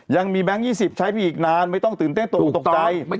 แบงค์๒๐ใช้ไปอีกนานไม่ต้องตื่นเต้นตกออกตกใจ